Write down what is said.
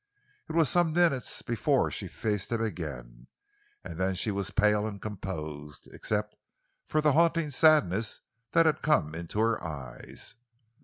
It was some minutes before she faced him again, and then she was pale and composed, except for the haunting sadness that had come into her eyes.